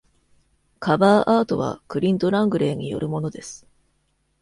カバーアートはクリント・ラングレーによるものです。